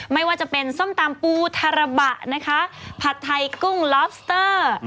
ไม่ว่าจะเป็นส้มตำปูทาระบะนะคะผัดไทยกุ้งลอบสเตอร์